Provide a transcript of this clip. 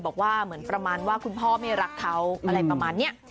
บอกว่าเหมือนประมาณว่าคุณพ่อไม่รักเขาอะไรประมาณนี้